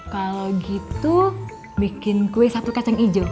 kalau gitu bikin kue satu kacang hijau